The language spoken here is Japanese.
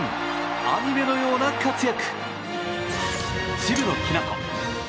アニメのような活躍。